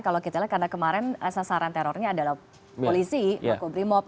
kalau kita lihat karena kemarin sasaran terornya adalah polisi makobrimob